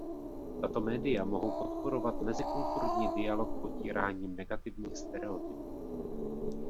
Tato média mohou podporovat mezikulturní dialog potíráním negativních stereotypů.